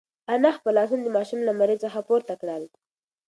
انا خپل لاسونه د ماشوم له مرۍ څخه پورته کړل.